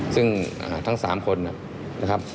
ซึ่งทั้ง๓คนนะครับ